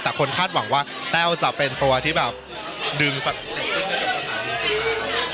แต่คนคาดหวังว่าแต้วจะเป็นตัวที่แบบดึงสถานีด้วยกับสถานี